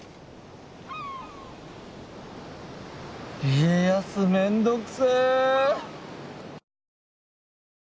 家康めんどくせ。